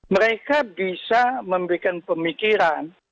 mereka bisa memberikan pemikiran